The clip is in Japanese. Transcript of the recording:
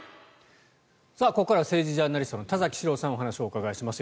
ここからは政治ジャーナリストの田崎史郎さんにお話をお伺いします。